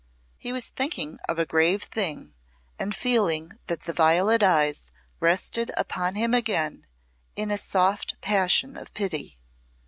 He was thinking of a grave thing and feeling that the violet eyes rested upon him again in a soft passion of pity.